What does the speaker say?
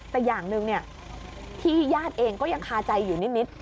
แต่อย่างหนึ่งที่ญาติเองก็ยังคาใจอยู่นิด